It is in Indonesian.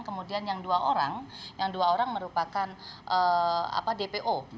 kemudian yang dua orang yang dua orang merupakan dpo